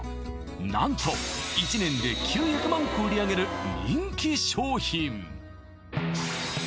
何と１年で９００万個売り上げる人気商品